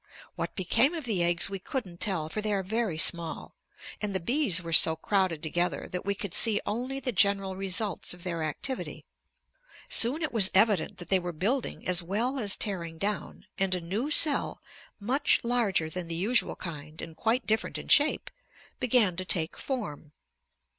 What became of the eggs we couldn't tell, for they are very small, and the bees were so crowded together that we could see only the general results of their activity. Soon it was evident that they were building as well as tearing down, and a new cell, much larger than the usual kind and quite different in shape, began to take form.